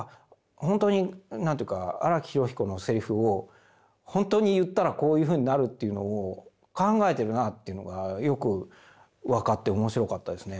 本当に何ていうか「荒木飛呂彦のセリフを本当に言ったらこういうふうになる」というのを考えてるなっていうのがよく分かっておもしろかったですね。